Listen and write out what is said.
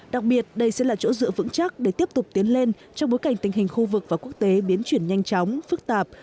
đặc biệt đây sẽ là chỗ dựa vững chắc để tiếp tục tiến lên trong bối cảnh tình hình khu vực và quốc tế biến chuyển nhanh chóng phức tạp